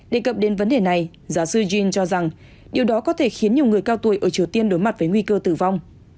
đề cập đến vấn đề này giáo sư jin cho rằng điều đó có thể khiến nhiều người cao tuổi ở triều tiên đối mặt với nguy cơ tử vong